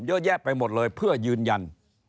เยอะแยะไปหมดเลยเพื่อยืนยัน